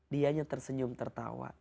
dianya tersenyum tertawa